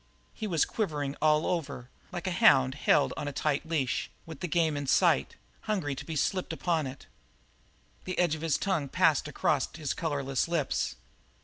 He was quivering all over like a hound held on a tight leash, with the game in sight, hungry to be slipped upon it. The edge of his tongue passed across his colourless lips.